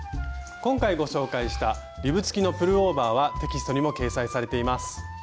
今回ご紹介したリブつきのプルオーバーはテキストにも掲載されています。